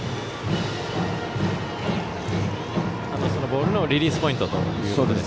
ボールのリリースポイントと。